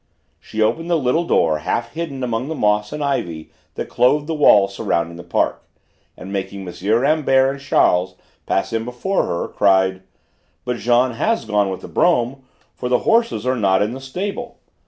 She opened a little door half hidden among the moss and ivy that clothed the wall surrounding the park, and making M. Rambert and Charles pass in before her, cried: "But Jean has gone with the brougham, for the horses are not in the stable.